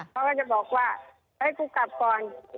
เขาก็จะบอกว่าเฮ้ยกูกลับก่อน